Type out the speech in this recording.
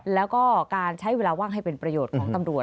แล้วก็การใช้เวลาว่างให้เป็นประโยชน์ของตำรวจ